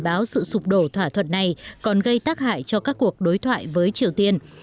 dự báo sự sụp đổ thỏa thuận này còn gây tác hại cho các cuộc đối thoại với triều tiên